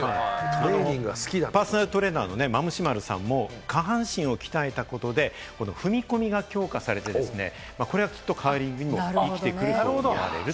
パーソナルトレーナーのマムシ〇さんも下半身を鍛えたことで踏み込みが強化されて、これはきっとカーリングにも活きてくると思われると。